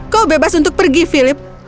kau bebas untuk pergi philip